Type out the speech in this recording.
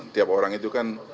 tiap orang itu kan